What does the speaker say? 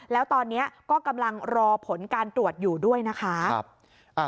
แล้วตอนนี้ก็กำลังรอผลการตรวจอยู่ด้วยนะคะ